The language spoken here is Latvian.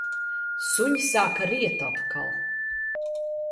Suņi sāka riet atkal.